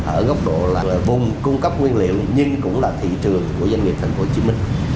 ở góc độ là vùng cung cấp nguyên liệu nhưng cũng là thị trường của doanh nghiệp tp hcm